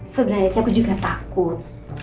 sebenernya sih aku juga takut